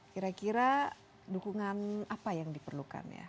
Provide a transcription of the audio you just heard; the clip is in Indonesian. kira kira dukungan apa yang diperlukan ya